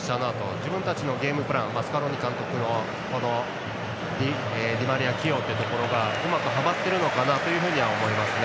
自分たちのゲームプランスカローニ監督のディマリア起用というところがうまくはまっているのかなと思いますね。